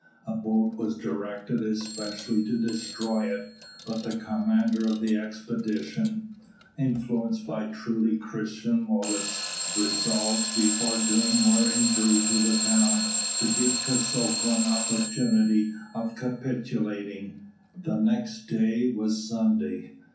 A boat was directed especially to destroy it; but the commander of the expedition, influenced by truly Christian motives, resolved, before doing more injury to the town, to give Kosoko an opportunity of capitulating. The next day was Sunday.